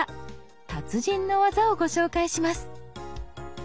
達人のワザをご紹介します。